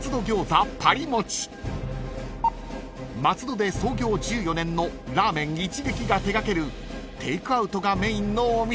［松戸で創業１４年のらぁめん一撃が手掛けるテイクアウトがメインのお店なんです］